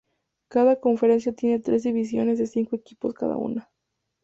Cada conferencia tiene tres divisiones de cinco equipos cada una.